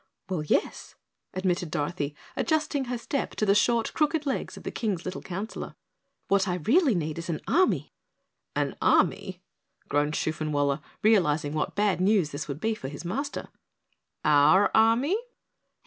"Well, yes," admitted Dorothy, adjusting her step to the short, crooked legs of the King's little Counselor. "What I really need is an army!" "An army?" groaned Shoofenwaller, realizing what bad news this would be for his master. "Our army?"